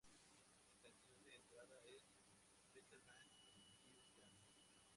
Su canción de entrada es "Better Man" de Pearl Jam.